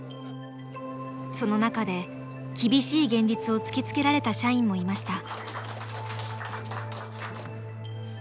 その中で厳しい現実を突きつけられた社員もいました。